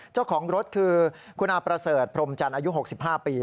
เจ้าของรถคือคุณอาประเสริฐพรมจันทร์อายุ๖๕ปี